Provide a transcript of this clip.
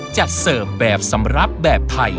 เสิร์ฟแบบสำหรับแบบไทย